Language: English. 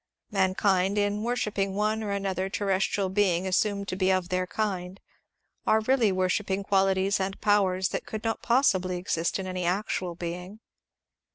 Mankind, in worshipping one or another terrestrial being assumed to be of their kind, are really worshipping qualities and powers that could not possibly exist in any actual being.